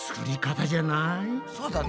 そうだね。